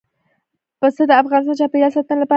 پسه د افغانستان د چاپیریال ساتنې لپاره مهم دي.